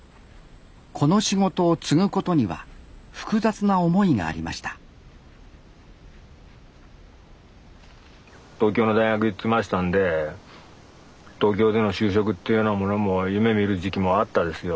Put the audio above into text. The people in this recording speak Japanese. この仕事を継ぐことには複雑な思いがありました東京の大学行ってましたんで東京での就職っていうようなものも夢みる時期もあったですよ